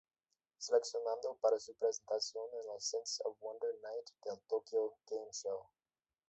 Seleccionado para su presentación en el Sense Of Wonder Night del Tokyo Game Show.